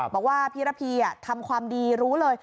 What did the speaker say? บอกว่าพี่ระพีทำความดีรู้เลย